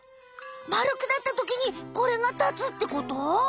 まるくなったときにこれがたつってこと？